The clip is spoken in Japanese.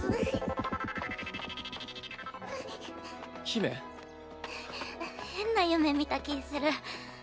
姫？へ変な夢見た気ぃする。